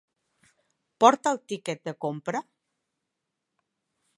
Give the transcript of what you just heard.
Porta el tiquet de compra?